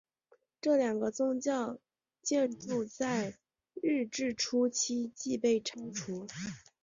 这两个宗教建筑在日治初期即被拆除。